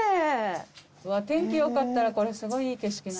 天気よかったらこれすごいいい景色。